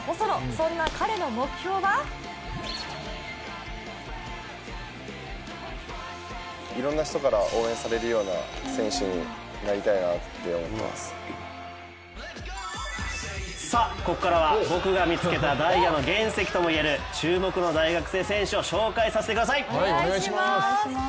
そんな彼の目標はここからは僕が見つけたダイヤの原石とも言える注目の大学生選手を紹介させてください。